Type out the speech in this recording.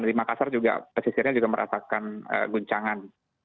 di makassar juga pesisirnya juga merasakan guncangan